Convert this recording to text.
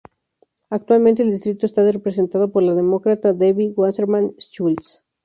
Actualmente el distrito está representado por la Demócrata Debbie Wasserman Schultz.